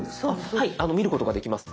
はい見ることができます。